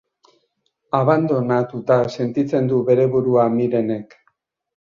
Abandonatuta sentitzen du bere burua Mirenek.